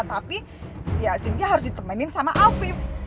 tapi ya sehingga harus ditemenin sama afif